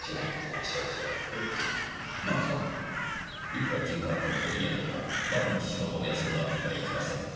いくら陣川君といえども毎日仕事を休むわけにはいきません。